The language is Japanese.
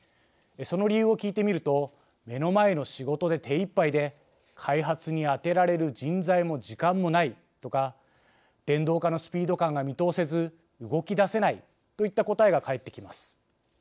その理由を聞いてみると「目の前の仕事で手いっぱいで開発にあてられる人材も時間もない」とか「電動化のスピード感が見通せず動きだせない」といった答えが返ってきます。